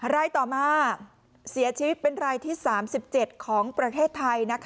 รายต่อมาเสียชีวิตเป็นรายที่๓๗ของประเทศไทย